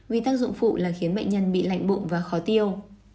vì tác dụng phụ là khiến bệnh nhân bị lạnh bụng và khó tiêu